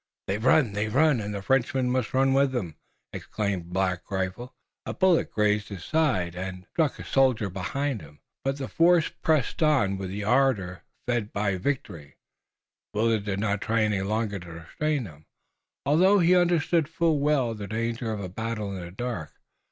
"They run! They run! And the Frenchmen must run with them!" exclaimed Black Rifle. As he spoke, a bullet grazed his side and struck a soldier behind him, but the force pressed on with the ardor fed by victory. Willet did not try any longer to restrain them, although he understood full well the danger of a battle in the dark.